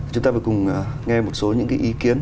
chúng ta vừa cùng nghe một số những ý kiến